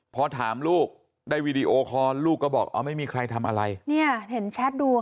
พอถามลูกได้วีดีโอคอลลูกก็บอกเอาไม่มีใครทำอะไรเนี่ยเห็นแชทดูอ่ะ